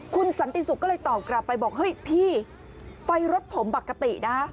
คุณสันติสุขก็เลยตอบกลับไปบอกเฮ้ยพี่ไฟรถผมปกตินะ